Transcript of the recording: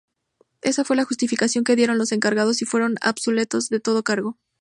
Esa fue la justificación que dieron los encargados y fueron absueltos de todo cargo.